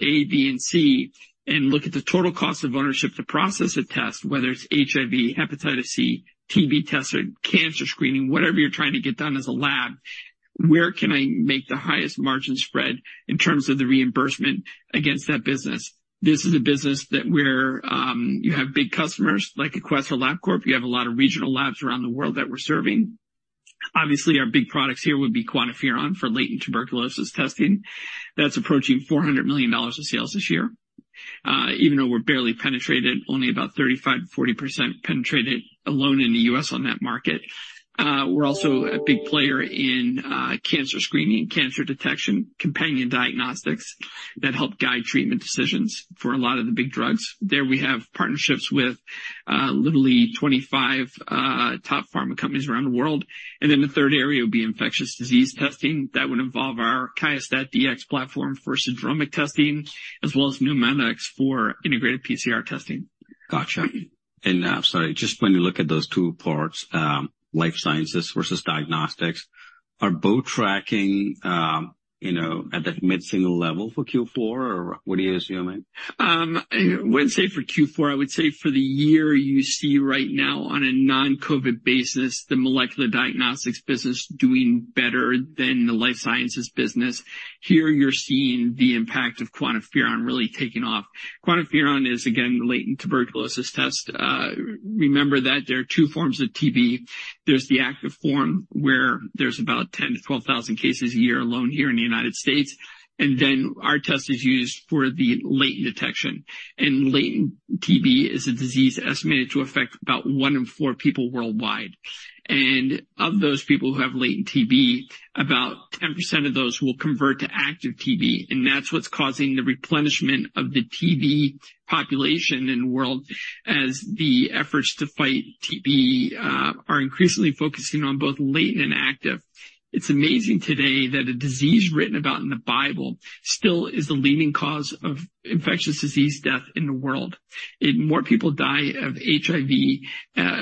A, B, and C, and look at the total cost of ownership to process a test, whether it's HIV, hepatitis C, TB tests, or cancer screening, whatever you're trying to get done as a lab, where can I make the highest margin spread in terms of the reimbursement against that business? This is a business that where you have big customers like a Quest or Labcorp. You have a lot of regional labs around the world that we're serving. Obviously, our big products here would be QuantiFERON for latent tuberculosis testing. That's approaching $400 million of sales this year, even though we're barely penetrated, only about 35%-40% penetrated alone in the U.S. on that market. We're also a big player in cancer screening, cancer detection, companion diagnostics that help guide treatment decisions for a lot of the big drugs. There, we have partnerships with literally 25 top pharma companies around the world. And then the third area would be infectious disease testing. That would involve our QIAstat-Dx platform for syndromic testing, as NeuMoDx for integrated PCR testing. Gotcha. And, sorry, just when you look at those two parts, life sciences versus diagnostics, are both tracking, you know, at the mid-single level for Q4, or what are you assuming? I wouldn't say for Q4. I would say for the year you see right now on a non-COVID basis, the molecular diagnostics business doing better than the life sciences business. Here, you're seeing the impact of QuantiFERON really taking off. QuantiFERON is, again, the latent tuberculosis test. Remember that there are two forms of TB. There's the active form, where there's about 10-12,000 cases a year alone here in the United States, and then our test is used for the latent detection. And latent TB is a disease estimated to affect about one in four people worldwide. And of those people who have latent TB, about 10% of those will convert to active TB, and that's what's causing the replenishment of the TB population in the world as the efforts to fight TB are increasingly focusing on both latent and active. It's amazing today that a disease written about in the Bible still is the leading cause of infectious disease death in the world. More people die of HIV,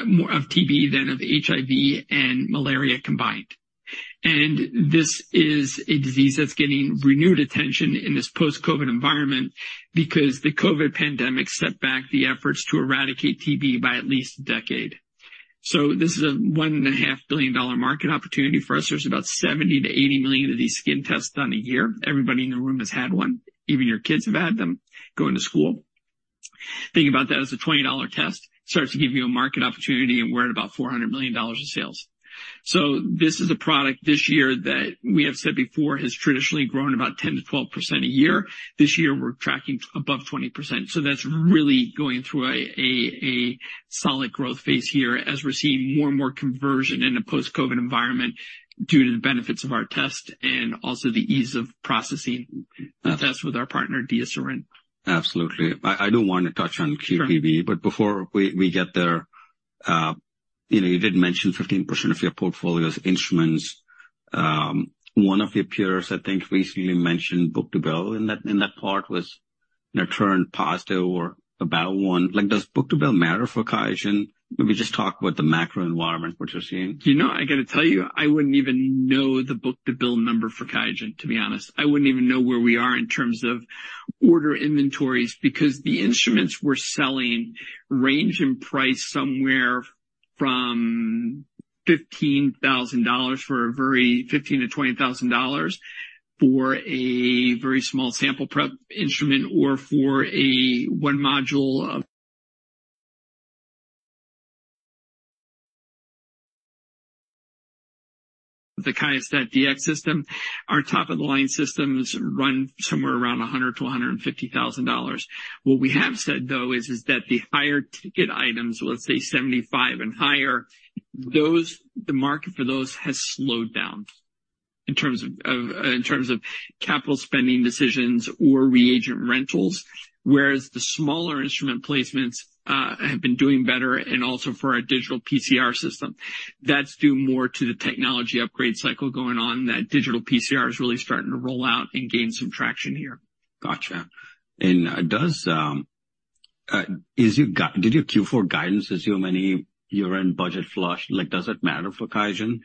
more of TB than of HIV and malaria combined. This is a disease that's getting renewed attention in this post-COVID environment because the COVID pandemic set back the efforts to eradicate TB by at least a decade. So this is a $1.5 billion market opportunity for us. There's about 70-80 million of these skin tests done a year. Everybody in the room has had one. Even your kids have had them going to school. Think about that as a $20 test. Starts to give you a market opportunity, and we're at about $400 million in sales. So this is a product this year that we have said before has traditionally grown about 10%-12% a year. This year, we're tracking above 20%, so that's really going through a solid growth phase here as we're seeing more and more conversion in a post-COVID environment due to the benefits of our test and also the ease of processing the test with our partner, DiaSorin. Absolutely. I do want to touch on QPB. Sure. But before we get there, you know, you did mention 15% of your portfolio's instruments. One of your peers, I think, recently mentioned book-to-bill, and that, in that part was returned positive or about one. Like, does book-to-bill matter for QIAGEN? Maybe just talk about the macro environment, what you're seeing. You know, I got to tell you, I wouldn't even know the book-to-bill number for QIAGEN, to be honest. I wouldn't even know where we are in terms of order inventories, because the instruments we're selling range in price somewhere from $15,000-$20,000 for a very small sample prep instrument or for a one module of the QIAstat-Dx system. Our top-of-the-line systems run somewhere around $100,000-$150,000. What we have said, though, is that the higher ticket items, let's say 75 and higher, those, the market for those has slowed down in terms of capital spending decisions or reagent rentals, whereas the smaller instrument placements have been doing better and also for our digital PCR system. That's due more to the technology upgrade cycle going on, that Digital PCR is really starting to roll out and gain some traction here. Gotcha. And does your Q4 guidance assume any year-end budget flush? Like, does it matter for QIAGEN?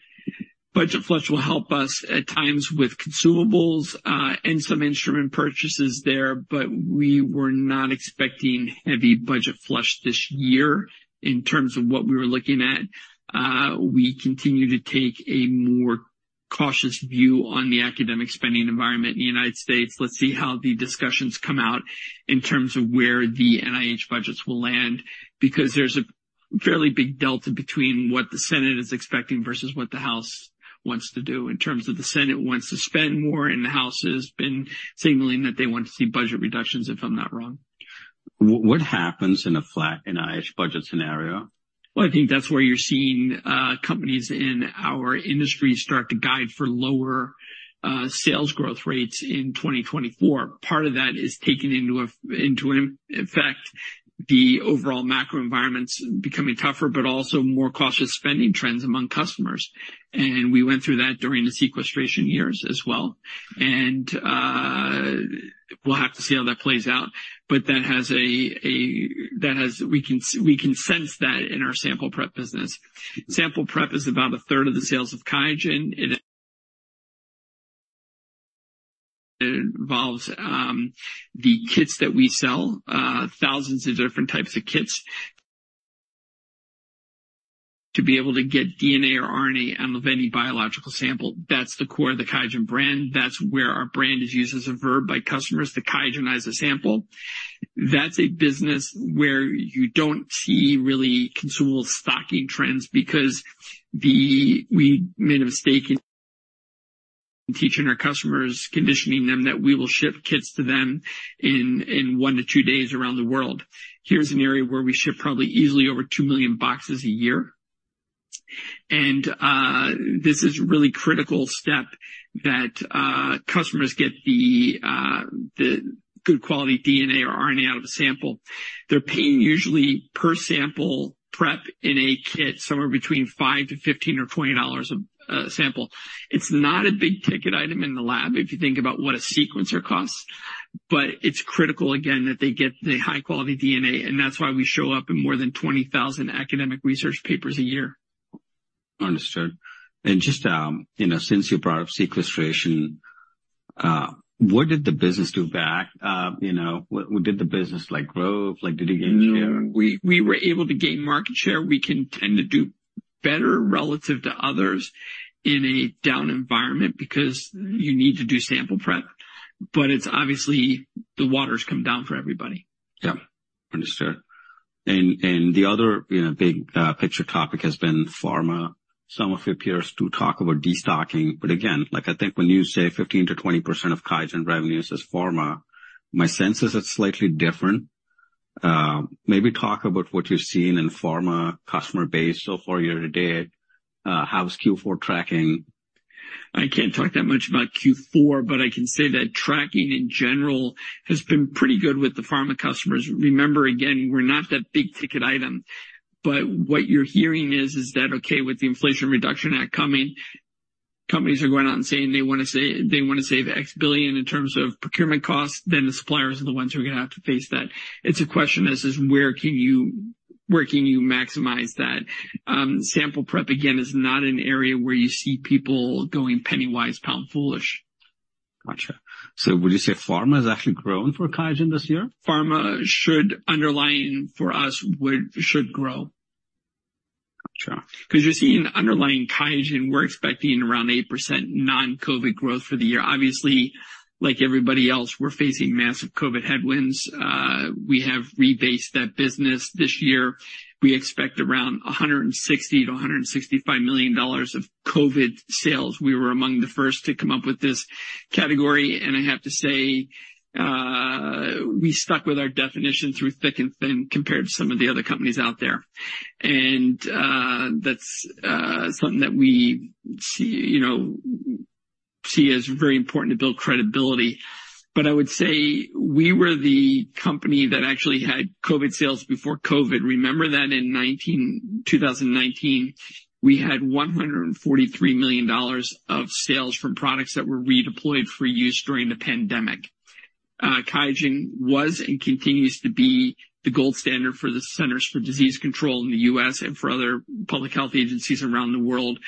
Budget flush will help us at times with consumables, and some instrument purchases there, but we were not expecting heavy budget flush this year in terms of what we were looking at. We continue to take a more cautious view on the academic spending environment in the United States. Let's see how the discussions come out in terms of where the NIH budgets will land, because there's a fairly big delta between what the Senate is expecting versus what the House wants to do. In terms of the Senate wants to spend more, and the House has been signaling that they want to see budget reductions, if I'm not wrong. What happens in a flat NIH budget scenario? I think that's where you're seeing companies in our industry start to guide for lower sales growth rates in 2024. Part of that is taking into account the overall macro environment's becoming tougher, but also more cautious spending trends among customers. We went through that during the sequestration years. We'll have to see how that plays out, but that has. We can sense that in our sample prep business. Sample prep is about a third of the sales of QIAGEN. It involves the kits that we sell, thousands of different types of kits. To be able to get DNA or RNA out of any biological sample, that's the core of the QIAGEN brand. That's where our brand is used as a verb by customers, to QIAGENize a sample. That's a business where you don't see really consumable stocking trends because we made a mistake in teaching our customers, conditioning them, that we will ship kits to them in 1-2 days around the world. Here's an area where we ship probably easily over 2 million boxes a year. This is a really critical step that customers get the good quality DNA or RNA out of a sample. They're paying usually per sample prep in a kit, somewhere between $5-$15 or $20 a sample. It's not a big-ticket item in the lab, if you think about what a sequencer costs, but it's critical, again, that they get the high-quality DNA, and that's why we show up in more than 20,000 academic research papers a year. Understood. And just, you know, since you brought up Sequestration, what did the business do back? You know, what did the business, like, grow? Like, did it gain share? No, we were able to gain market share. We can tend to do better relative to others in a down environment because you need to do sample prep, but it's obviously the water's come down for everybody. Understood. And the other, you know, big picture topic has been pharma. Some of your peers do talk about destocking, but again, like, I think when you say 15%-20% of QIAGEN revenues is pharma, my sense is it's slightly different. Maybe talk about what you've seen in pharma customer base so far year-to-date. How is Q4 tracking? I can't talk that much about Q4, but I can say that tracking in general has been pretty good with the pharma customers. Remember, again, we're not that big-ticket item, but what you're hearing is that, okay, with the Inflation Reduction Act coming, companies are going out and saying they want to save, they want to save $X billion in terms of procurement costs, then the suppliers are the ones who are going to have to face that. It's a question as is where can you, where can you maximize that? Sample prep, again, is not an area where you see people going penny-wise, pound-foolish. Gotcha. So would you say pharma is actually growing for QIAGEN this year? Pharma should underlying for us, should grow. Gotcha. 'Cause you're seeing underlying QIAGEN, we're expecting around 8% non-COVID growth for the year. Obviously, like everybody else, we're facing massive COVID headwinds. We have rebased that business. This year, we expect around $160 million-$165 million of COVID sales. We were among the first to come up with this category, and I have to say, we stuck with our definition through thick and thin, compared to some of the other companies out there. And that's something that we see, you know, see as very important to build credibility. But I would say we were the company that actually had COVID sales before COVID. Remember that in 2019, we had $143 million of sales from products that were redeployed for use during the pandemic. QIAGEN was and continues to be the gold standard for the Centers for Disease Control in the US and for other public health agencies around the world,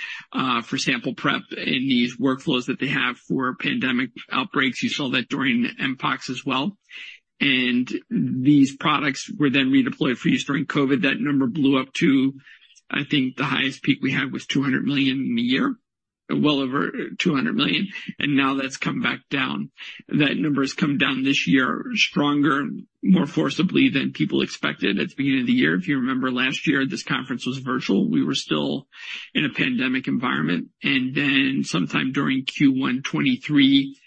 for sample prep in these workflows that they have for pandemic outbreaks. You saw that during Mpox. These products were then redeployed for use during COVID. That number blew up to, I think, the highest peak we had was 200 million in a year, well over 200 million, and now that's come back down. That number has come down this year stronger, more forcibly than people expected at the beginning of the year. If you remember last year, this conference was virtual. We were still in a pandemic environment. And then sometime during Q1 2023,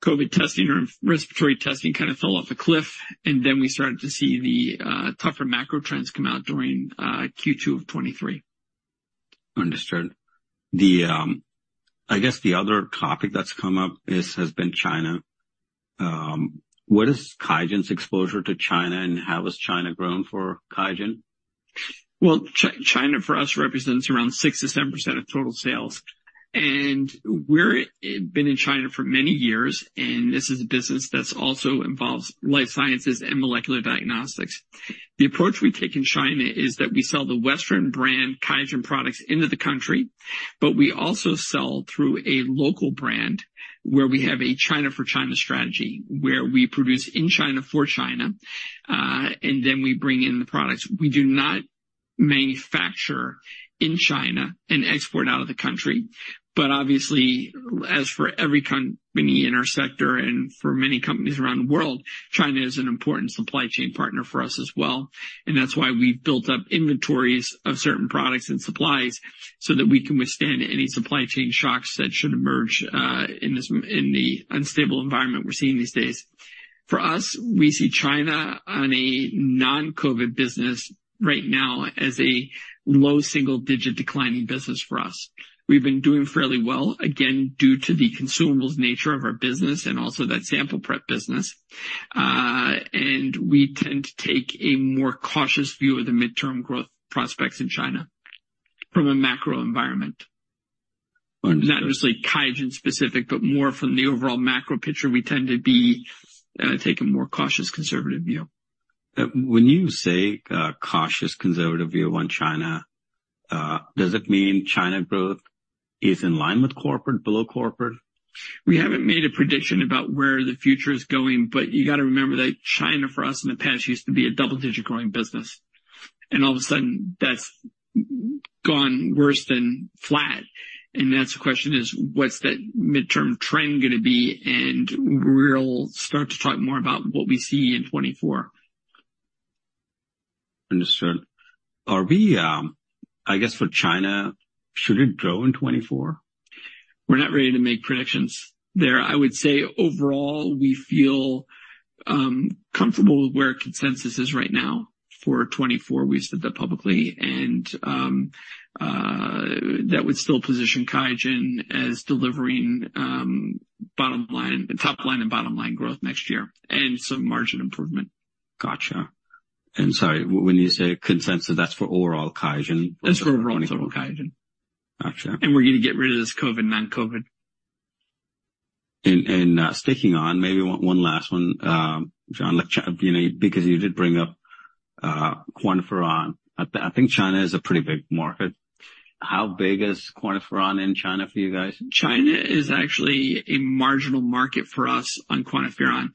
COVID testing or respiratory testing fell off a cliff, and then we started to see the tougher macro trends come out during Q2 2023. Understood. I guess the other topic that's come up is, has been China. What is QIAGEN's exposure to China, and how has China grown for QIAGEN? China, for us, represents around 6%-7% of total sales, and we've been in China for many years, and this is a business that's also involves life sciences and molecular diagnostics. The approach we take in China is that we sell the Western brand QIAGEN products into the country, but we also sell through a local brand, where we have a China-for-China strategy, where we produce in China for China, and then we bring in the products. We do not manufacture in China and export out of the country. But obviously, as for every company in our sector and for many companies around the world, China is an important supply chain partner for us. That's why we've built up inventories of certain products and supplies, so that we can withstand any supply chain shocks that should emerge in this unstable environment we're seeing these days. For us, we see China on a non-COVID business right now as a low single-digit declining business for us. We've been doing fairly well, again, due to the consumables nature of our business and also that sample prep business. We tend to take a more cautious view of the midterm growth prospects in China from a macro environment. Understood. Not necessarily QIAGEN specific, but more from the overall macro picture. We tend to take a more cautious, conservative view. When you say a cautious, conservative view on China. Does it mean China growth is in line with corporate, below corporate? We haven't made a prediction about where the future is going, but you got to remember that China, for us in the past, used to be a double-digit growing business, and all of a sudden that's gone worse than flat. And that's the question is, what's that midterm trend going to be? And we'll start to talk more about what we see in 2024. Understood. Are we, I guess for China, should it grow in 2024? We're not ready to make predictions there. I would say overall, we feel comfortable with where consensus is right now for 2024. We've said that publicly, and that would still position QIAGEN as delivering bottom line, top line and bottom line growth next year and some margin improvement. Got you. And sorry, when you say consensus, that's for overall QIAGEN? That's for overall QIAGEN. Got you. We're going to get rid of this COVID, non-COVID. Sticking on maybe one last one, John, because you did bring up QuantiFERON. I think China is a pretty big market. How big is QuantiFERON in China for you guys? China is actually a marginal market for us on QuantiFERON.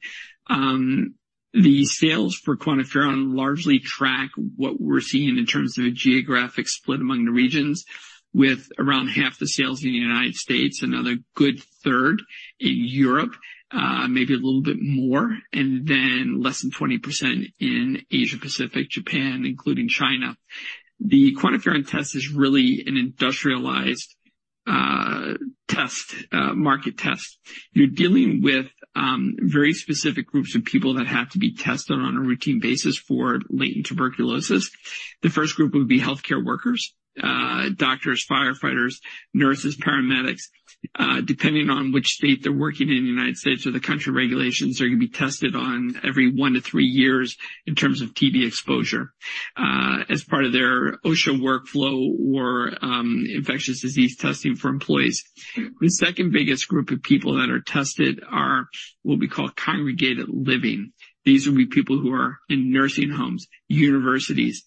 The sales for QuantiFERON largely track what we're seeing in terms of a geographic split among the regions, with around half the sales in the United States, another good third in Europe, maybe a little bit more, and then less than 20% in Asia, Pacific, Japan, including China. The QuantiFERON test is really an industrialized, test, market test. You're dealing with, very specific groups of people that have to be tested on a routine basis for latent tuberculosis. The first group would be healthcare workers, doctors, firefighters, nurses, paramedics. Depending on which state they're working in, the United States or the country, regulations are going to be tested on every 1-3 years in terms of TB exposure, as part of their OSHA workflow or, infectious disease testing for employees. The second biggest group of people that are tested are what we call congregate living. These would be people who are in nursing homes, universities,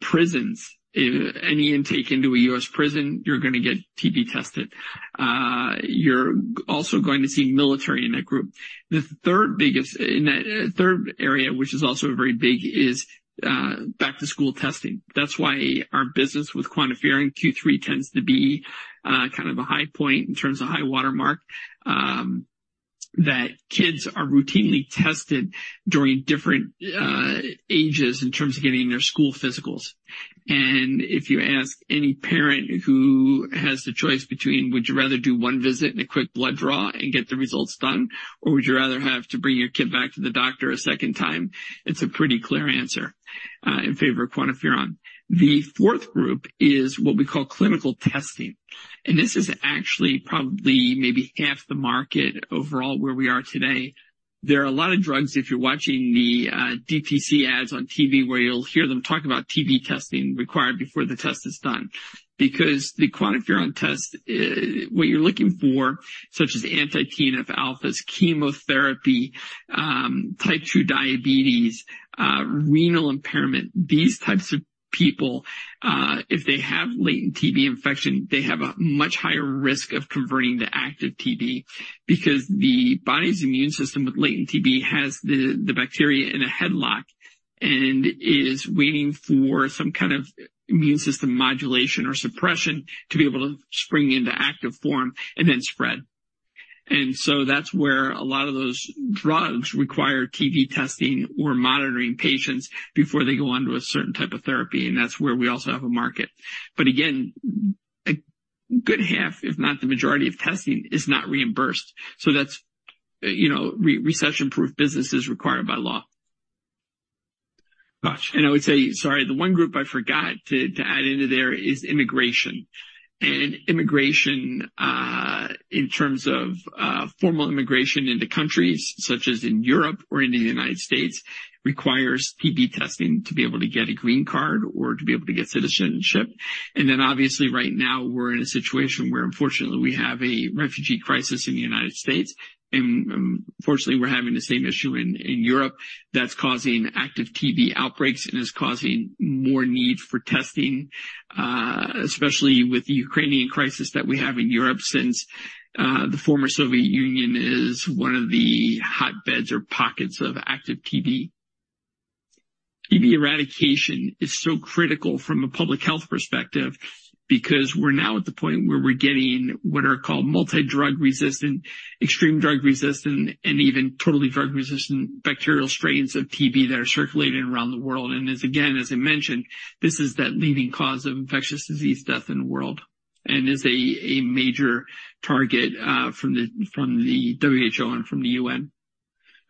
prisons. Any intake into a U.S. prison, you're going to get TB tested. You're also going to see military in that group. The third biggest area, which is also very big, is, back-to-school testing. That's why our business with QuantiFERON Q3 tends to be, a high point in terms of high watermark, that kids are routinely tested during different, ages in terms of getting their school physicals. If you ask any parent who has the choice between would you rather do one visit and a quick blood draw and get the results done, or would you rather have to bring your kid back to the doctor a second time? It's a pretty clear answer in favor of QuantiFERON. The fourth group is what we call clinical testing, and this is actually probably maybe half the market overall where we are today. There are a lot of drugs, if you're watching the DTC ads on TV, where you'll hear them talk about TB testing required before the test is done. Because the QuantiFERON test, what you're looking for, such as anti-TNFs, chemotherapy, type two diabetes, renal impairment, these types of people, if they have latent TB infection, they have a much higher risk of converting to active TB, because the body's immune system with latent TB has the bacteria in a headlock and is waiting for some immune system modulation or suppression to be able to spring into active form and then spread. And so that's where a lot of those drugs require TB testing or monitoring patients before they go on to a certain type of therapy. And that's where we also have a market. But again, a good half, if not the majority of testing is not reimbursed. So that's, you know, recession-proof business is required by law. Got you. I would say, sorry, the one group I forgot to add into there is immigration. And immigration, in terms of formal immigration into countries such as in Europe or in the United States, requires TB testing to be able to get a green card or to be able to get citizenship. And then obviously, right now, we're in a situation where, unfortunately, we have a refugee crisis in the United States, and unfortunately, we're having the same issue in Europe. That's causing active TB outbreaks and is causing more need for testing, especially with the Ukrainian crisis that we have in Europe, since the former Soviet Union is one of the hotbeds or pockets of active TB. TB eradication is so critical from a public health perspective, because we're now at the point where we're getting what are called multidrug-resistant, extreme drug-resistant, and even totally drug-resistant bacterial strains of TB that are circulating around the world. And as again, as I mentioned, this is that leading cause of infectious disease death in the world and is a, a major target from the, from the WHO and from the UN.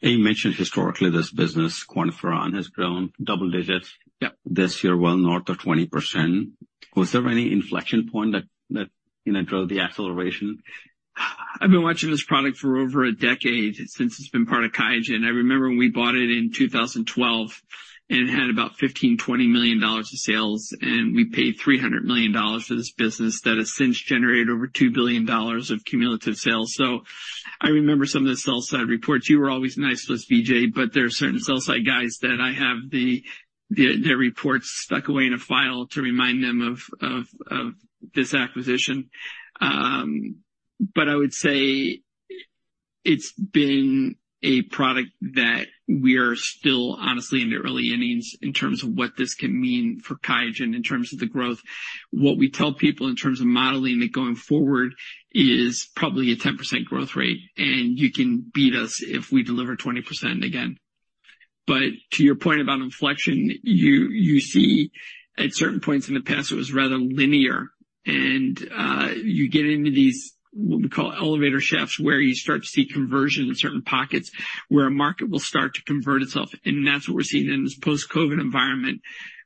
You mentioned historically, this business, QuantiFERON, has grown double digits- Yep. This yea, north of 20%. Was there any inflection point that, you know, drove the acceleration? I've been watching this product for over a decade, since it's been part of QIAGEN. I remember when we bought it in 2012, and it had about $15-$20 million of sales, and we paid $300 million for this business. That has since generated over $2 billion of cumulative sales. So I remember some of the sell-side reports. You were always nice to us, Vijay, but there are certain sell-side guys that I have their reports stuck away in a file to remind them of this acquisition. But I would say it's been a product that we are still, honestly, in the early innings in terms of what this can mean for QIAGEN in terms of the growth. What we tell people in terms of modeling it going forward is probably a 10% growth rate, and you can beat us if we deliver 20% again. But to your point about inflection, you, you see at certain points in the past, it was rather linear, and, you get into these, what we call elevator shafts, where you start to see conversion in certain pockets, where a market will start to convert itself, and that's what we're seeing in this post-COVID environment.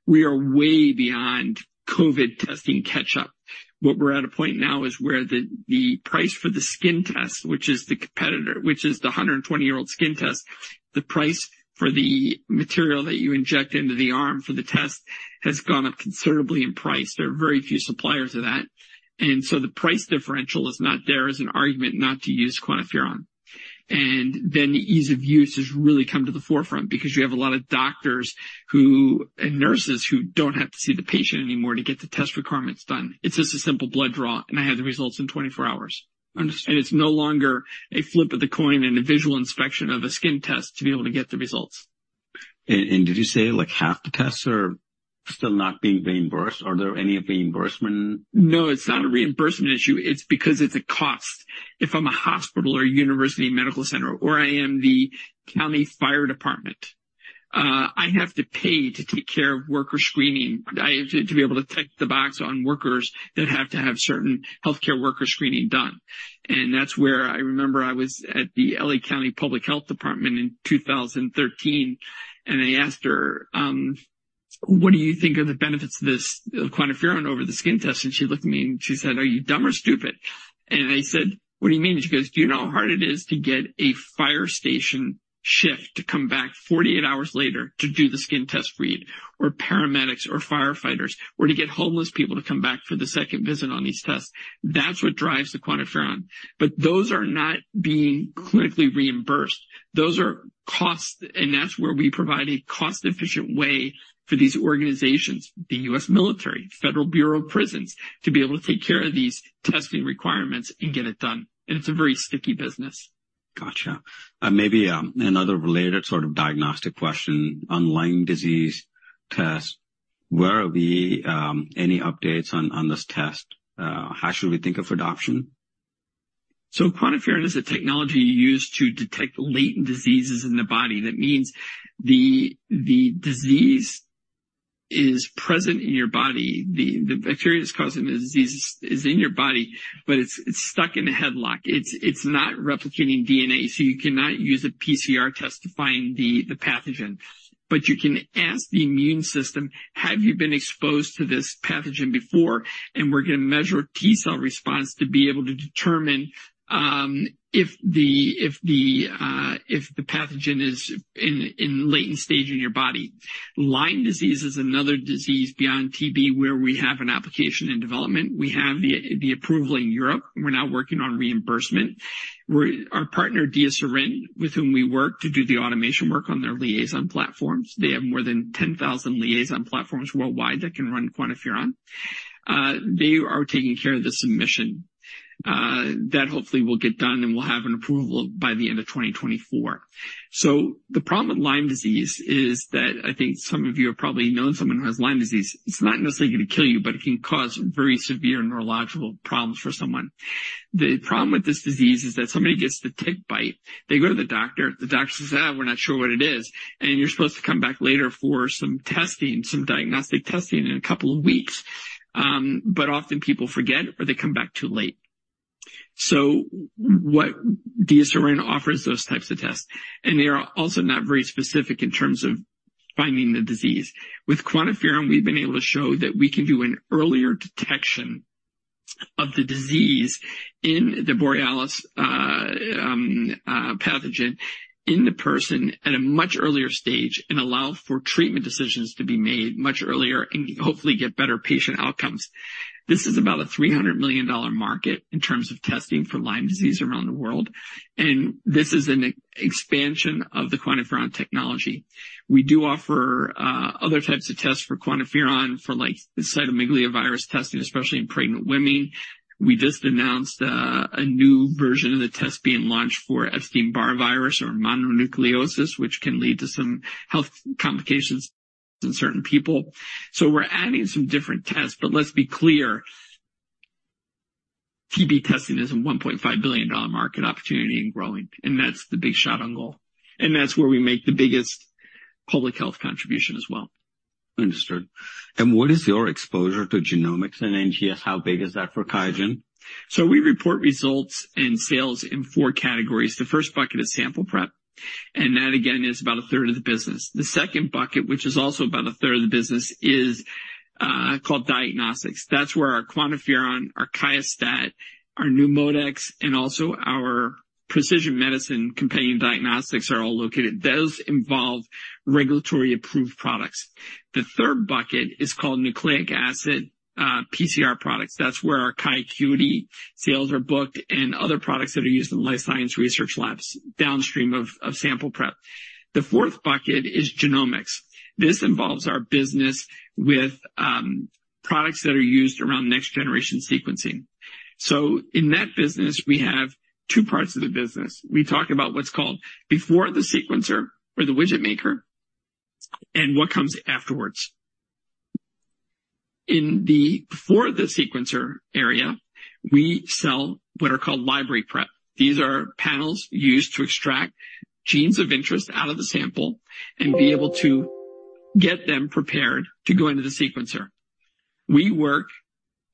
We are way beyond COVID testing catch-up. What we're at a point now is where the, the price for the skin test, which is the competitor, which is the 120-year-old skin test, the price for the material that you inject into the arm for the test has gone up considerably in price. There are very few suppliers of that, and so the price differential is not there as an argument not to use QuantiFERON. And then the ease of use has really come to the forefront because you have a lot of doctors who and nurses who don't have to see the patient anymore to get the test requirements done. It's just a simple blood draw, and I have the results in 24 hours. Understood. It's no longer a flip of the coin and a visual inspection of a skin test to be able to get the results. Did you say, like, half the tests are still not being reimbursed? Are there any reimbursement? No, it's not a reimbursement issue. It's because it's a cost. If I'm a hospital or a university medical center, or I am the county fire department, I have to pay to take care of worker screening, to be able to check the box on workers that have to have certain healthcare worker screening done. And that's where I remember I was at the L.A. County Public Health Department in 2013, and I asked her, "What do you think are the benefits of this QuantiFERON over the skin test?" And she looked at me, and she said, "Are you dumb or stupid?" And I said, "What do you mean?" She goes, "Do you know how hard it is to get a fire station shift to come back 48 hours later to do the skin test read, or paramedics or firefighters, or to get homeless people to come back for the second visit on these tests?" That's what drives the QuantiFERON. But those are not being clinically reimbursed. Those are costs, and that's where we provide a cost-efficient way for these organizations, the U.S. military, Federal Bureau of Prisons, to be able to take care of these testing requirements and get it done. And it's a very sticky business. Gotcha. Maybe another related diagnostic question. On Lyme disease tests, where are we? Any updates on this test? How should we think of adoption? So QuantiFERON is a technology used to detect latent diseases in the body. That means the disease is present in your body, the bacteria that's causing the disease is in your body, but it's stuck in a headlock. It's not replicating DNA, so you cannot use a PCR test to find the pathogen. But you can ask the immune system, "Have you been exposed to this pathogen before?" And we're going to measure T cell response to be able to determine if the pathogen is in latent stage in your body. Lyme Disease is another disease beyond TB, where we have an application in development. We have the approval in Europe. We're now working on reimbursement. Our partner, DiaSorin, with whom we work to do the automation work on their LIAISON platforms, they have more than 10,000 LIAISON platforms worldwide that can run QuantiFERON. They are taking care of the submission. That hopefully will get done, and we'll have an approval by the end of 2024. So the problem with Lyme disease is that I think some of you have probably known someone who has Lyme disease. It's not necessarily going to kill you, but it can cause very severe neurological problems for someone. The problem with this disease is that somebody gets the tick bite, they go to the doctor, the doctor says, "Ah, we're not sure what it is, and you're supposed to come back later for some testing, some diagnostic testing in a couple of weeks." But often people forget or they come back too late. DiaSorin offers those types of tests, and they are also not very specific in terms of finding the disease. With QuantiFERON, we've been able to show that we can do an earlier detection of the disease in the Borrelia pathogen in the person at a much earlier stage and allow for treatment decisions to be made much earlier and hopefully get better patient outcomes. This is about a $300 million market in terms of testing for Lyme disease around the world, and this is an expansion of the QuantiFERON technology. We do offer other types of tests for QuantiFERON, for, like, cytomegalovirus testing, especially in pregnant women. We just announced a new version of the test being launched for Epstein-Barr virus or mononucleosis, which can lead to some health complications in certain people. So we're adding some different tests, but let's be clear, TB testing is a $1.5 billion market opportunity and growing, and that's the big shot on goal, and that's where we make the biggest public health contribution. Understood. And what is your exposure to genomics, and then, yes, how big is that for QIAGEN? So we report results in sales in four categories. The first bucket is sample prep, and that, again, is about a third of the business. The second bucket, which is also about a third of the business, is called diagnostics. That's where our QuantiFERON, our QIAstat, our NeuMoDx, and also our precision medicine companion diagnostics are all located. Those involve regulatory approved products. The third bucket is called nucleic acid PCR products. That's where our QIAcuity sales are booked and other products that are used in life science research labs downstream of sample prep. The fourth bucket is genomics. This involves our business with products that are used around next-generation sequencing. So in that business, we have two parts of the business. We talk about what's called before the sequencer or the widget maker, and what comes afterwards. In the before the sequencer area, we sell what are called library prep. These are panels used to extract genes of interest out of the sample and be able to get them prepared to go into the sequencer. We work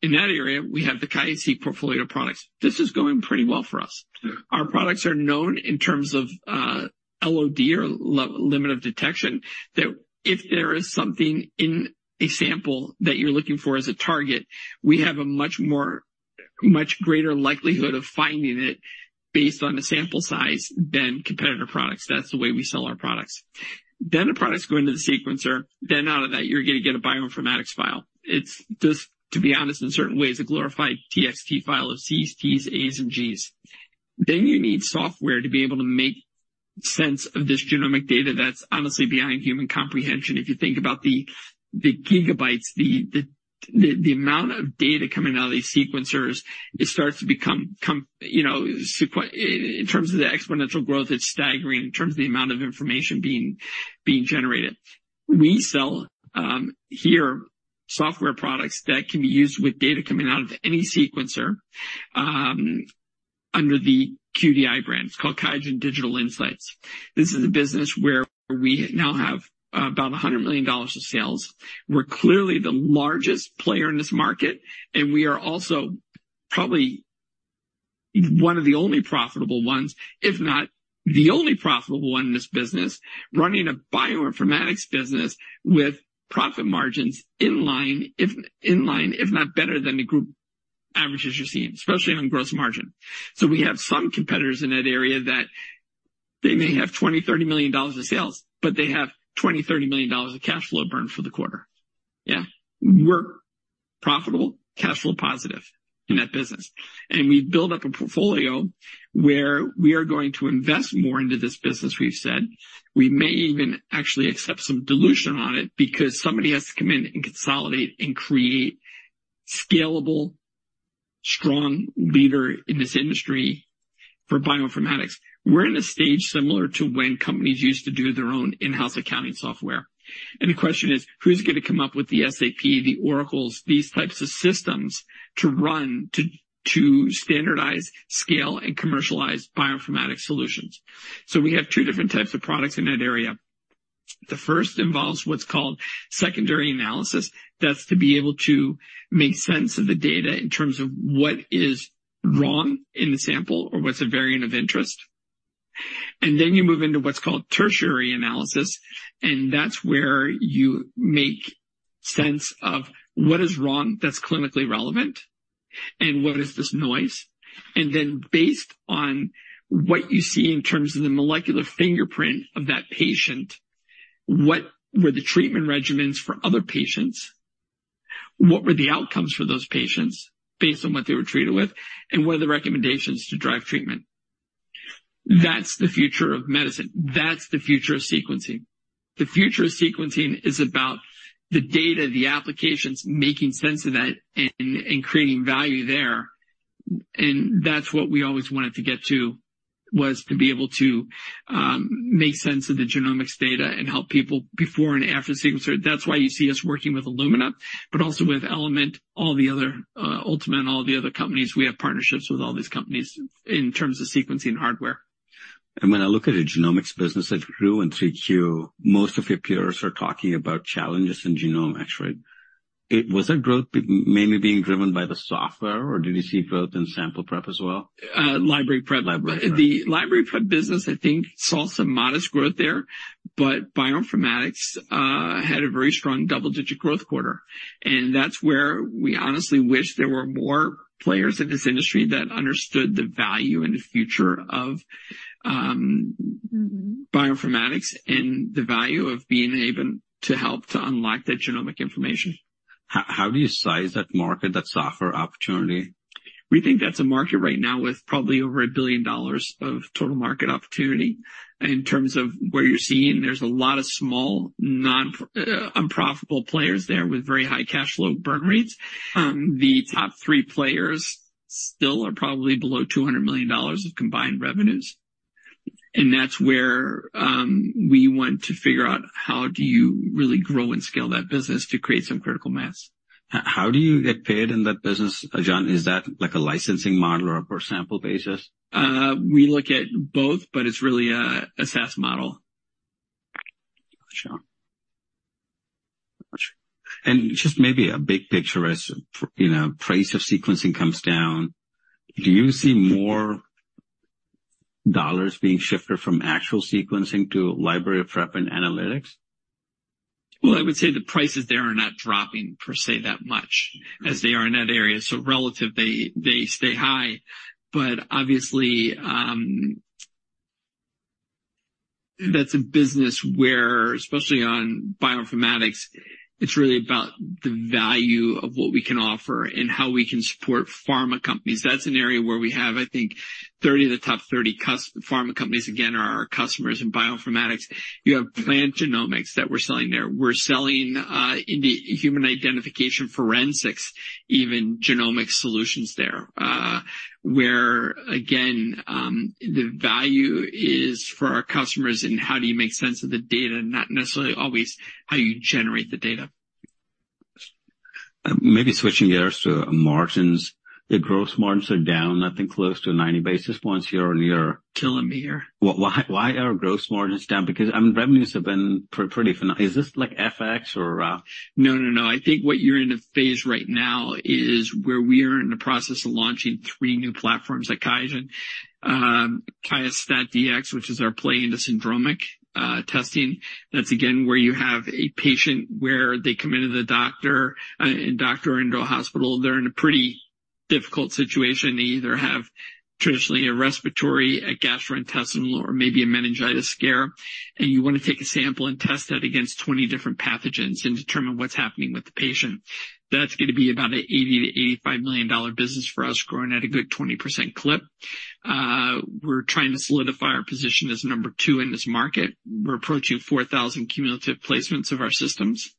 in that area, we have the QIAGEN portfolio of products. This is going pretty well for us. Our products are known in terms of LOD or limit of detection, that if there is something in a sample that you're looking for as a target, we have a much more, much greater likelihood of finding it based on the sample size than competitor products. That's the way we sell our products. Then the products go into the sequencer, then out of that, you're going to get a bioinformatics file. It's just, to be honest, in certain ways, a glorified TXT file of Cs, Ts, As and Gs. Then you need software to be able to make sense of this genomic data that's honestly beyond human comprehension. If you think about the gigabytes, the amount of data coming out of these sequencers, it starts to become, you know, in terms of the exponential growth, it's staggering in terms of the amount of information being generated. We sell here software products that can be used with data coming out of any sequencer under the QDI brand. It's called QIAGEN Digital Insights. This is a business where we now have about $100 million of sales. We're clearly the largest player in this market, and we are also probably one of the only profitable ones, if not the only profitable one in this business, running a bioinformatics business with profit margins in line, if not better than the group averages you're seeing, especially on gross margin. So we have some competitors in that area that they may have $20-$30 million of sales, but they have $20-$30 million of cash flow burn for the quarter. We're profitable, cash flow positive in that business, and we've built up a portfolio where we are going to invest more into this business we've said. We may even actually accept some dilution on it because somebody has to come in and consolidate and create scalable, strong leader in this industry for bioinformatics. We're in a stage similar to when companies used to do their own in-house accounting software. The question is: Who's going to come up with the SAP, the Oracles, these types of systems to run, to standardize, scale, and commercialize bioinformatic solutions? We have two different types of products in that area. The first involves what's called secondary analysis. That's to be able to make sense of the data in terms of what is wrong in the sample or what's a variant of interest. And then you move into what's called tertiary analysis, and that's where you make sense of what is wrong, that's clinically relevant, and what is this noise? And then, based on what you see in terms of the molecular fingerprint of that patient, what were the treatment regimens for other patients? What were the outcomes for those patients based on what they were treated with? And what are the recommendations to drive treatment? That's the future of medicine. That's the future of sequencing. The future of sequencing is about the data, the applications, making sense of that and creating value there. And that's what we always wanted to get to, was to be able to make sense of the genomics data and help people before and after the sequencer. That's why you see us working with Illumina, but also with Element, all the other, Ultima and all the other companies. We have partnerships with all these companies in terms of sequencing hardware. When I look at the genomics business that grew in Q3, most of your peers are talking about challenges in genomics, actually. Was that growth mainly being driven by the software, or did you see growth in sample prep? Library Prep. Library prep. The Library Prep business, I think, saw some modest growth there, but bioinformatics had a very strong double-digit growth quarter. That's where we honestly wish there were more players in this industry that understood the value and the future of bioinformatics and the value of being able to help to unlock that genomic information. How do you size that market, that software opportunity? We think that's a market right now with probably over $1 billion of total market opportunity. In terms of where you're seeing, there's a lot of small, unprofitable players there with very high cash flow burn rates. The top three players still are probably below $200 million of combined revenues. That's where, we want to figure out how do you really grow and scale that business to create some critical mass. How do you get paid in that business, John? Is that like a licensing model or a per sample basis? We look at both, but it's really a SaaS model. Sure. And just maybe a big picture as, you know, price of sequencing comes down, do you see more dollars being shifted from actual sequencing to library prep and analytics? I would say the prices there are not dropping per se, that much as they are in that area. So relative, they, they stay high. But obviously, that's a business where, especially on bioinformatics, it's really about the value of what we can offer and how we can support pharma companies. That's an area where we have, I think, 30 of the top 30 pharma companies, again, are our customers in bioinformatics. You have plant genomics that we're selling there. We're selling in the human identification forensics, even genomic solutions there, where, again, the value is for our customers in how do you make sense of the data, not necessarily always how you generate the data. Maybe switching gears to margins. The gross margins are down, I think, close to 90 basis points year-on-year. Killing me here. Why, why are gross margins down? Because, I mean, revenues have been pretty phenomenal. Is this like FX or, No, no, no. I think what you're in a phase right now is where we are in the process of launching three new platforms at QIAGEN. QIAstat-Dx, which is our play into syndromic testing. That's, again, where you have a patient, where they come into the doctor and doctor into a hospital. They're in a pretty difficult situation. They either have traditionally a respiratory, a gastrointestinal, or maybe a meningitis scare, and you want to take a sample and test that against 20 different pathogens and determine what's happening with the patient. That's going to be about an $80-$85 million business for us, growing at a good 20% clip. We're trying to solidify our position as number two in this market. We're approaching 4,000 cumulative placements of our systems.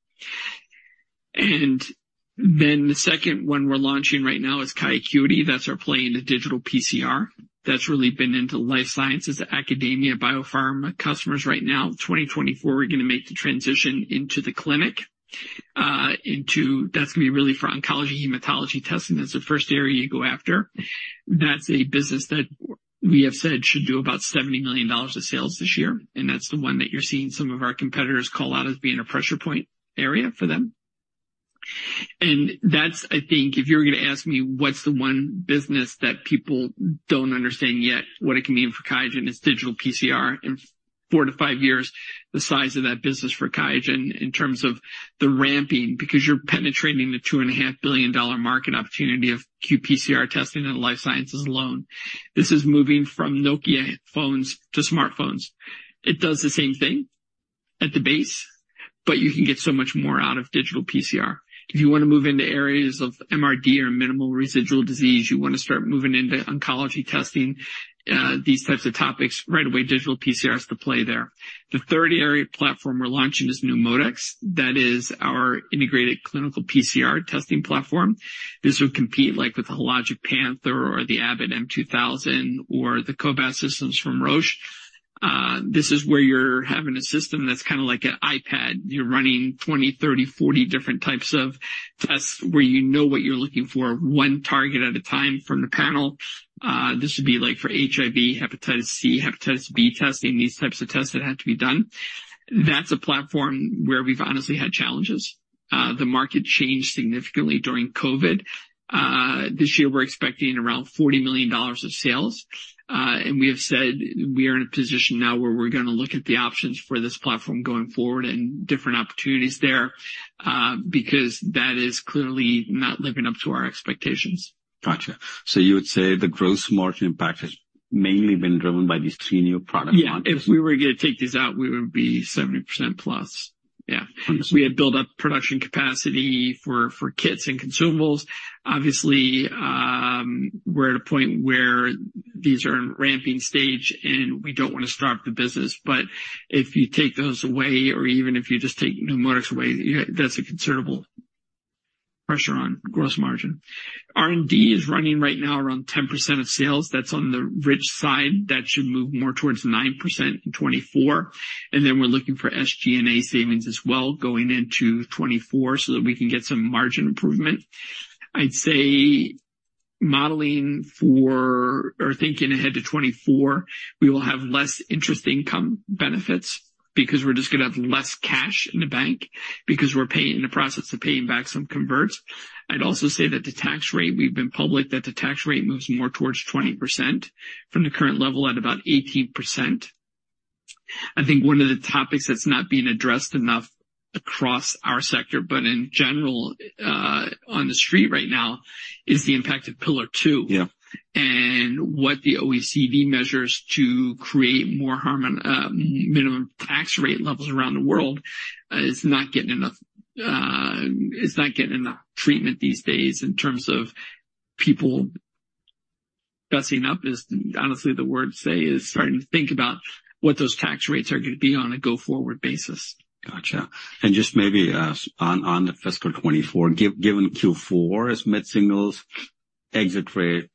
And then the second one we're launching right now is QIAcuity. That's our play in the digital PCR. That's really been into life sciences, academia, biopharma customers right now. 2024, we're going to make the transition into the clinic. That's going to be really for oncology, hematology testing. That's the first area you go after. That's a business that we have said should do about $70 million of sales this year, and that's the one that you're seeing some of our competitors call out as being a pressure point area for them. That's, I think, if you were going to ask me, what's the one business that people don't understand yet, what it can mean for QIAGEN is digital PCR. In 4-5 years, the size of that business for QIAGEN in terms of the ramping, because you're penetrating the $2.5 billion market opportunity of qPCR testing and life sciences alone. This is moving from Nokia phones to smartphones. It does the same thing at the base, but you can get so much more out of Digital PCR. If you want to move into areas of MRD or minimal residual disease, you want to start moving into oncology testing, these types of topics, right away, Digital PCR is the play there. The third area platform we're launching is NeuMoDx. That is our integrated clinical PCR testing platform. This would compete, like, with the Hologic Panther or the Abbott m2000 or the COBAS systems from Roche. This is where you're having a system that's like an iPad. You're running 20, 30, 40 different types of tests, where you know what you're looking for, one target at a time from the panel. This would be like for HIV, Hepatitis C, Hepatitis B testing, these types of tests that have to be done. That's a platform where we've honestly had challenges. The market changed significantly during COVID. This year, we're expecting around $40 million of sales. And we have said we are in a position now where we're going to look at the options for this platform going forward and different opportunities there, because that is clearly not living up to our expectations. Gotcha. So you would say the gross margin impact has mainly been driven by these three new product launches? If we were going to take these out, we would be 70% plus. Understood. We had built up production capacity for kits and consumables. Obviously, we're at a point where these are in ramping stage, and we don't want to starve the business, but if you take those away or even if you just take NeuMoDx away, that's a considerable pressure on gross margin. R&D is running right now around 10% of sales. That's on the rich side. That should move more towards 9% in 2024, and then we're looking for SG&A savings. Going into 2024 so that we can get some margin improvement. I'd say modeling for or thinking ahead to 2024, we will have less interest income benefits because we're just going to have less cash in the bank because we're paying, in the process of paying back some converts. I'd also say that the tax rate, we've been public, that the tax rate moves more towards 20% from the current level at about 18%. I think one of the topics that's not being addressed enough across our sector, but in general, on the street right now, is the impact of Pillar Two. Yeah. What the OECD measures to create more harmonized minimum tax rate levels around the world is not getting enough, it's not getting enough treatment these days in terms of people addressing it. Honestly, the word is, say, is starting to think about what those tax rates are going to be on a go-forward basis. Gotcha. And just maybe, on the fiscal 2024, given Q4's mid-signals exit rate,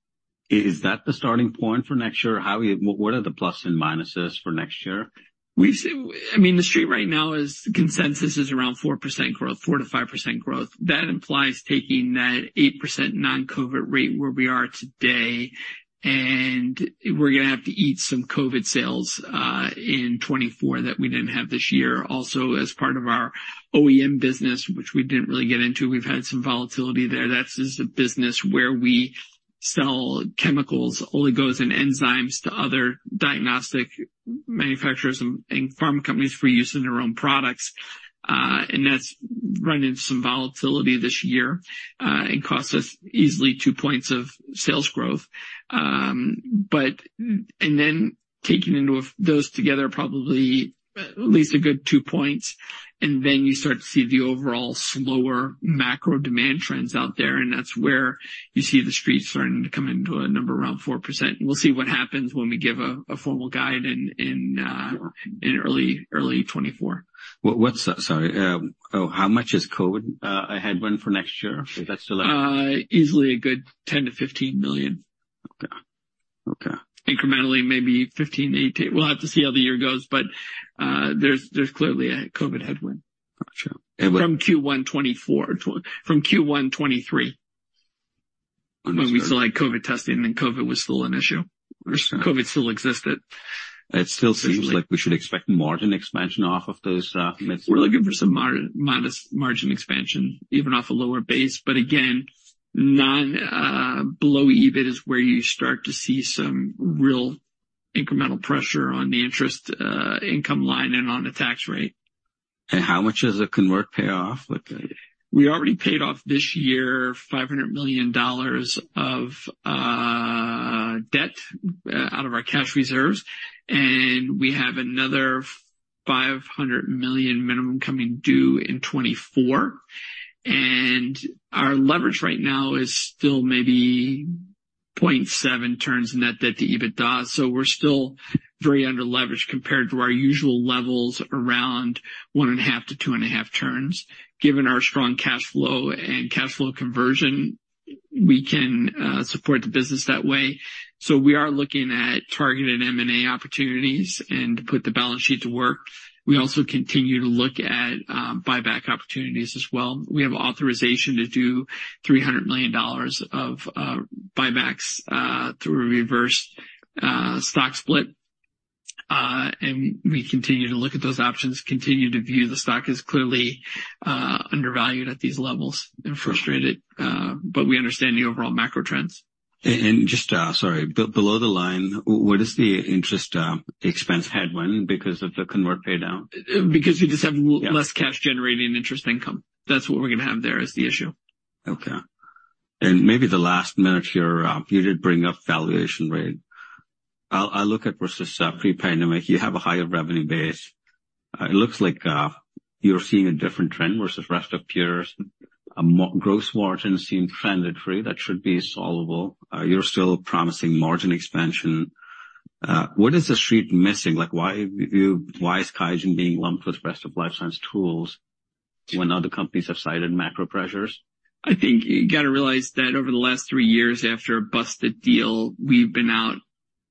is that the starting point for next year? How are you? What are the pluses and minuses for next year? We've seen—I mean, the street right now is consensus is around 4% growth, 4%-5% growth. That implies taking that 8% non-COVID rate where we are today. And we're gonna have to eat some COVID sales in 2024 that we didn't have this year. Also, as part of our OEM business, which we didn't really get into, we've had some volatility there. That is a business where we sell chemicals, oligos, and enzymes to other diagnostic manufacturers and pharma companies for use in their own products. And that's run into some volatility this year and cost us easily 2 points of sales growth. And then taking into those together, probably at least a good 2 points, and then you start to see the overall slower macro demand trends out there, and that's where you see the street starting to come into a number around 4%. We'll see what happens when we give a formal guide in early 2024. What's that? Sorry. Oh, how much is COVID a headwind for next year? If that's still it. Easily a good $10 million-$15 million. Okay. Okay. Incrementally, maybe 15, 18. We'll have to see how the year goes, but there's, there's clearly a COVID headwind. Gotcha. From Q1 2024. From Q1 2023, when we still had COVID testing, and COVID was still an issue. Understood. COVID still existed. It still seems like we should expect margin expansion off of those, midst- We're looking for some modest margin expansion, even off a lower base. But again, below EBIT is where you start to see some real incremental pressure on the interest income line and on the tax rate. How much does the convert pay off with the- We already paid off this year $500 million of debt out of our cash reserves, and we have another $500 million minimum coming due in 2024. And our leverage right now is still maybe 0.7 turns net debt to EBITDA, so we're still very underleveraged compared to our usual levels, around 1.5-2.5 turns. Given our strong cash flow and cash flow conversion, we can support the business that way. So we are looking at targeted M&A opportunities and to put the balance sheet to work. We also continue to look at buyback opportunities. We have authorization to do $300 million of buybacks through a reverse stock split. We continue to look at those options, continue to view the stock as clearly undervalued at these levels and frustrated, but we understand the overall macro trends. And just, sorry, below the line, what is the interest expense headwind because of the convert paydown? Because we just have less cash generating interest income. That's what we're gonna have there as the issue. Okay. And maybe the last minute here, you did bring up valuation rate. I look at versus pre-pandemic, you have a higher revenue base. It looks like you're seeing a different trend versus rest of peers. A gross margin seem transitory. That should be solvable. You're still promising margin expansion. What is the street missing? Like, why is QIAGEN being lumped with rest of life science tools when other companies have cited macro pressures? I think you got to realize that over the last 3 years, after a busted deal, we've been out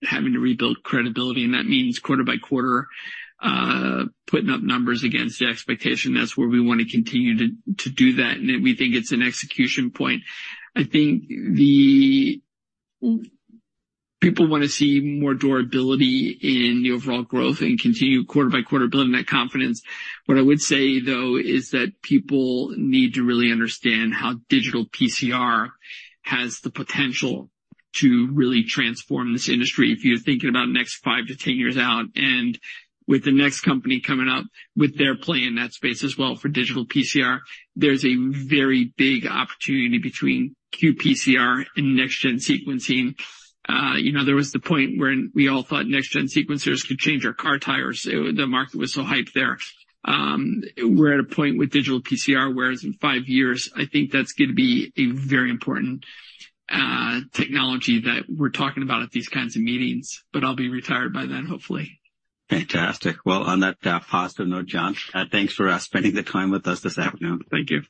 having to rebuild credibility, and that means quarter by quarter, putting up numbers against the expectation. That's where we want to continue to, to do that, and we think it's an execution point. I think the people want to see more durability in the overall growth and continue quarter by quarter, building that confidence. What I would say, though, is that people need to really understand how digital PCR has the potential to really transform this industry if you're thinking about next 5-10 years out. And with the next company coming up with their play in that space. For digital PCR, there's a very big opportunity between qPCR and next-gen sequencing. You know, there was the point where we all thought nextgen sequencers could change our car tires. The market was so hyped there. We're at a point with digital PCR, whereas in five years, I think that's going to be a very important technology that we're talking about at these kinds of meetings. But I'll be retired by then, hopefully. Fantastic. On that positive note, John, thanks for spending the time with us this afternoon. Thank you.